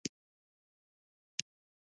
نو ولی داسی وشول